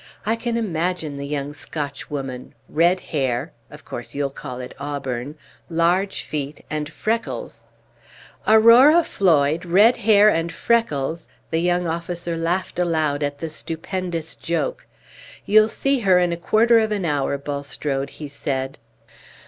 I can imagine the young Scotchwoman red hair (of course you'll call it auburn), large feet, and freckles!" "Aurora Floyd red hair and freckles!" The young officer laughed aloud at the stupendous joke. "You'll see her in a quarter of an hour, Bulstrode," he said.